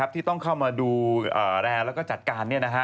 ที่ต้องเข้ามาดูแลแล้วก็จัดการ